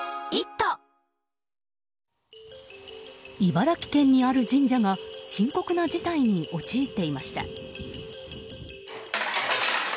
茨城県にある神社が深刻な事態に陥っていました。